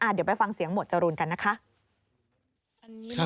เดี๋ยวไปฟังเสียงหมวดจรูนกันนะคะ